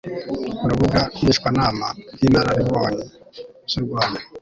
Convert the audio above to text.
urubuga ngishwanama rw'inararibonye z'u rwanda